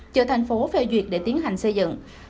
chờ thành phố phê duyệt để tiến hành xây dựng